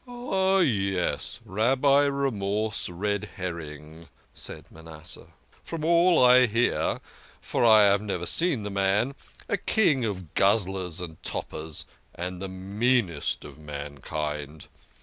"Ah, yes ! Rabbi Remorse Red herring," said Manasseh. ' From all I hear for I have never seen the man a king of guzzlers and topers, and the meanest of mankind.